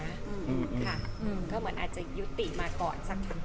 ค่ะก็เหมือนอาจจะยุติมาก่อนสักครั้ง